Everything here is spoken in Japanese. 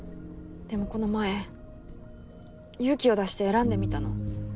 でもこの前勇気を出して選んでみたの。